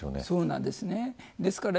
そうなんです。